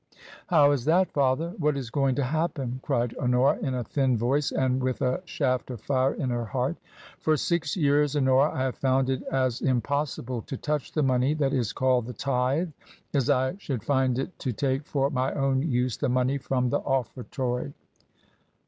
" How is that, father ? What is going to happen ?" cried Honora, in a thin voice and with a shaft of fire in her heart. " For six years, Honora, I have found it as impossible to touch the money that is called the Tithe as I should find it to take for my own use the money from the Offer tory."